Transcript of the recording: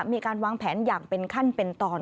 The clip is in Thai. มีการวางแผนอย่างเป็นขั้นเป็นตอน